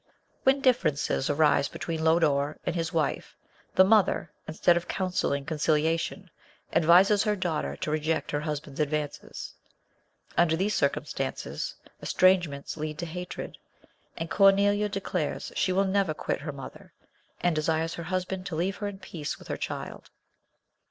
When differences arise between Lodore and his wife the mother, instead of counselling conciliation, advises her daughter to reject her husband's advances. Under these circumstances estrangements lead to hatred, and Cornelia declares she will never quit her mother, and desires her husband to leave her in peace with her child.